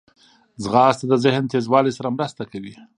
ځغاسته د ذهن تیزوالي سره مرسته کوي